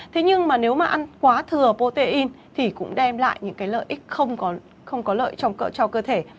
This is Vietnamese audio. thế nhưng mà nếu mà ăn quá thừa protein thì cũng đem lại những cái lợi ích không có lợi trong cợ cho cơ thể